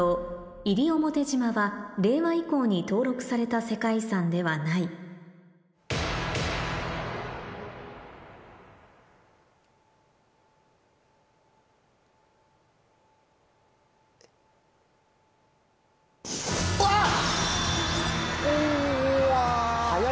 西表島は令和以降に登録された世界遺産ではないうわっ！